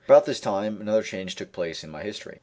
About this time another change took place in my history.